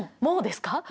もうですか？